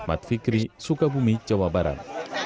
ahmad fikri sukabumi jawa barat